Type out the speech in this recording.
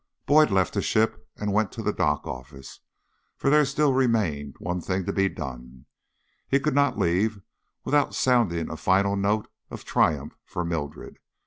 Boyd left the ship and went to the dock office, for there still remained one thing to be done: he could not leave without sounding a final note of triumph for Mildred.